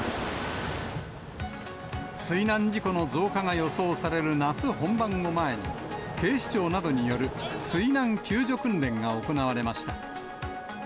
水難事故の増加が予想される夏本番を前に、警視庁などによる水難救助訓練が行われました。